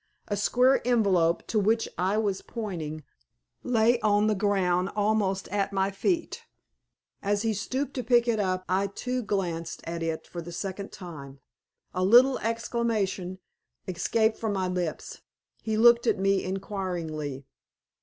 A square envelope, to which I was pointing, lay on the ground almost at my feet. As he stooped to pick it up I too glanced at it for the second time. A little exclamation escaped from my lips. He looked at me inquiringly.